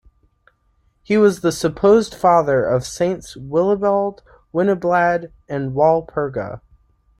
He was the supposed father of Saints Willibald, Winiblad and Walpurga.